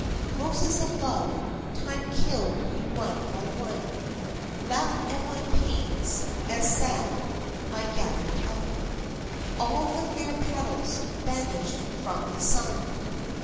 Roses of love, time killed you one by one, Laughed at my pains as sad I gathered up All the fair petals banished from the sun.